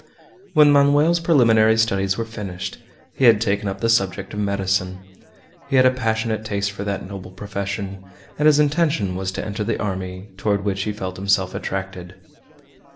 When Manoel's preliminary studies were finished, he had taken up the subject of medicine. He had a passionate taste for that noble profession, and his intention was to enter the army, toward which he felt himself attracted.